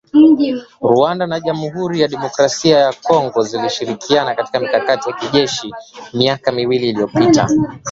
Rwanda na Jamhuri ya Demokrasia ya Kongo zilishirikiana katika mikakati ya kijeshi miaka miwili iliyopita